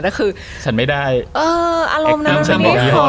แต่คืออารมณ์นั้นมันไม่ได้หอม